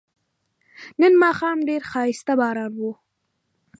نن ماښام ډیر خایسته باران و